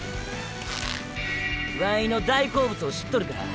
ワイの大好物を知っとるか。